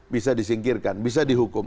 bisa disingkirkan bisa dihukum